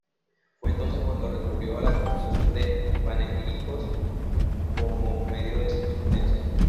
Fue entonces cuando recurrió a la composición de panegíricos como medio de subsistencia.